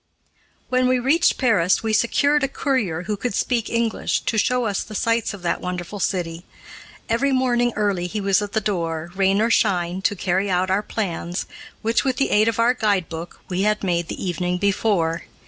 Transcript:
When we reached Paris we secured a courier who could speak English, to show us the sights of that wonderful city. Every morning early he was at the door, rain or shine, to carry out our plans, which, with the aid of our guidebook, we had made the evening before.